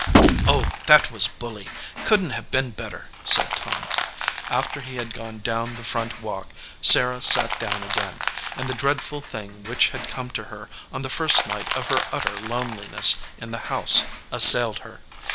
"Oh, that was bully! Couldn t have been bet ter," said Tom. After he had gone down the front walk, Sarah sat down again, and the dreadful thing which had come to her on the first night of her utter loneliness in the house assailed her.